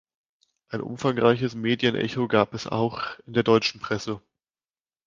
Ein umfangreiches Medienecho gab es auch in der deutschen Presse.